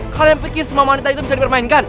kalian pikir semua wanita itu bisa dipermainkan